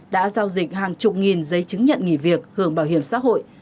đã giao dịch hàng chục nghìn giấy chứng nhận nghỉ việc hưởng bảo hiểm xã hội